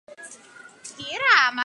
Slišal sem mukanje krav.